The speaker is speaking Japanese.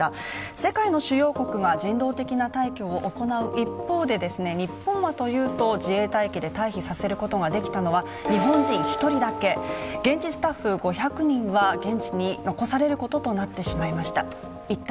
世界の主要国が人道的な退去を行う一方で日本はというと、自衛隊機で退避させることができたのは日本人１人だけ、現地スタッフ５００人は現地に残されることとなってしまいました。